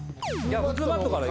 普通バットから。